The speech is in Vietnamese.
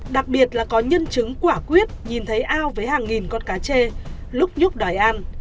đặc biệt là có nhân chứng quả quyết nhìn thấy ao với hàng nghìn con cá chê lúc nhúc đòi ăn